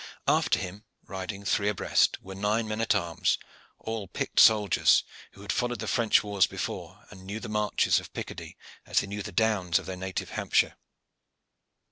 After him, riding three abreast, were nine men at arms, all picked soldiers, who had followed the French wars before, and knew the marches of Picardy as they knew the downs of their native Hampshire.